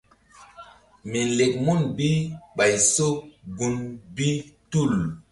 Mi lek mun bi ɓay so gun bi tul.